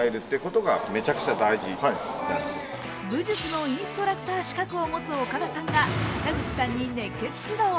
武術のインストラクター資格を持つ岡田さんが坂口さんに熱血指導。